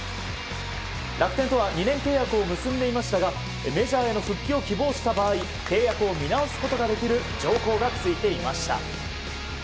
楽天とは２年契約を結んでいましたがメジャーへの復帰を希望した場合契約を見直すことができる条項がついていました。